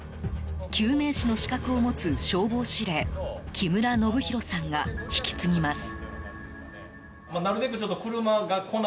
救命士の資格を持つ消防司令、木村信広さんが引き継ぎます。